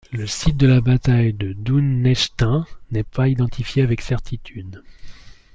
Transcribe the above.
Le site de la bataille de Dun Nechtain n'est pas identifié avec certitude.